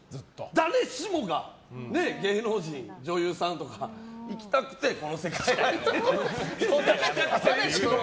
誰しもが芸能人、女優さんとかいきたくて、この世界入って。